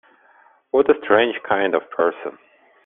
What a strange kind of person!